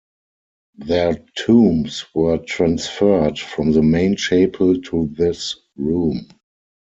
Their tombs were transferred from the main chapel to this room.